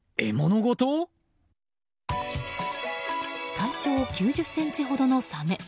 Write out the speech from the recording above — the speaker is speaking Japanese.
体長９０ｃｍほどのサメ。